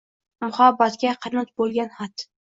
Muhabbatga qanot bo’lgan xat?